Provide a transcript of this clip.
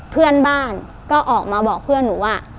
เพื่อนบ้านก็ออกมาบอกเพื่อนหนูว่า